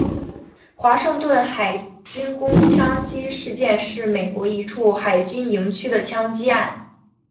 华盛顿海军工厂枪击事件是美国一处海军营区的枪击案。